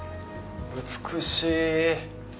美しい。